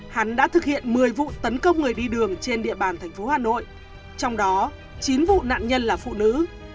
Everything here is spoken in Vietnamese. hắn đã thực hiện một mươi vụ tấn công người đi đường trên địa bàn thành phố hà nội trong đó chín vụ nạn nhân là phụ nữ